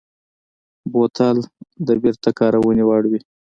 بوتل د بېرته کارونې وړ وي.